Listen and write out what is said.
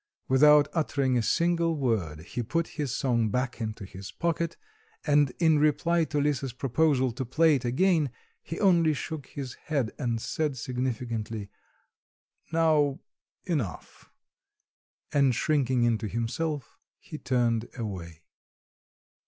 Without uttering a single word, he put his song back into his pocket, and in reply to Lisa's proposal to play it again, he only shook his head and said significantly: "Now enough!" and shrinking into himself he turned away.